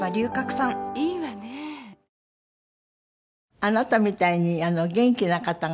あなたみたいに元気な方がさ